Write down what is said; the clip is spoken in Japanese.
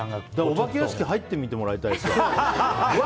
お化け屋敷に入ってもらいたいですもん。